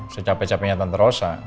secape capeknya tante rosa